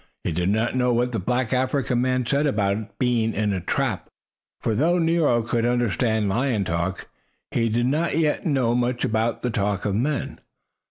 He did not know what the black African man said about being in a "trap," for though Nero could understand lion talk, he did not yet know much about the talk of men.